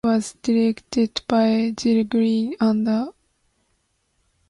It was directed by Gil Green, and Akon makes a cameo appearance.